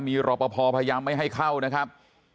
มีรอปภพยายามไม่ให้เข้านะครับ